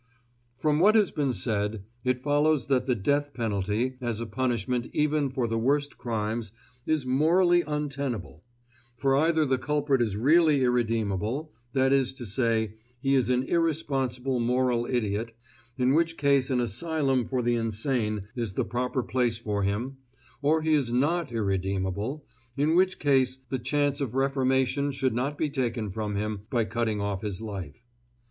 From what has been said, it follows that the death penalty as a punishment even for the worst crimes is morally untenable; for either the culprit is really irredeemable, that is to say, he is an irresponsible moral idiot, in which case an asylum for the insane is the proper place for him; or he is not irredeemable, in which case the chance of reformation should not be taken from him by cutting off his life.